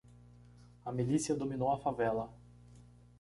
A milícia dominou a favela.